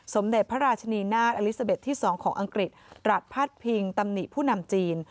สมเด็จพระราชนีนาฏอลิซาเบสที่๒ของอังกฤษตรัสพาดพิงตำหนิผู้นำจีน